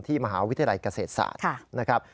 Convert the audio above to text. มหาวิทยาลัยเกษตรศาสตร์นะครับ